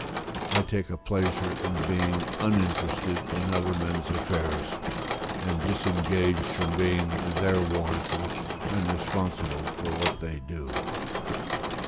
I take a pleasure in being uninterested in other men's affairs, and disengaged from being their warranty, and responsible for what they do.